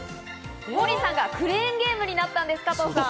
モーリーさんがクレーンゲームになったんです、加藤さん。